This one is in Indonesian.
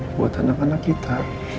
buat anak anak kita